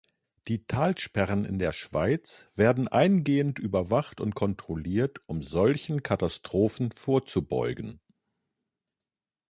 Die Talsperren in der Schweiz werden eingehend überwacht und kontrolliert, um solchen Katastrophen vorzubeugen.